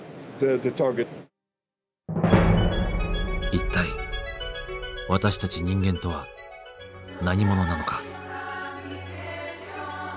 一体私たち人間とは何者なのか？